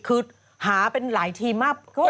คือหาเป็นหลายทีมมาก